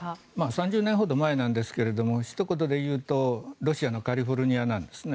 ３０年ほど前なんですがひと言で言うとロシアのカリフォルニアなんですね。